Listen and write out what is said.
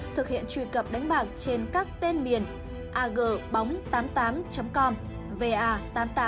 thực hiện truy cập đánh bạc trên các tên miền agbong tám mươi tám com va tám mươi tám bureau com viva tám mươi tám net